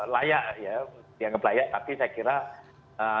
layak ya dianggap layak tapi saya kira senioritas juga paling mudah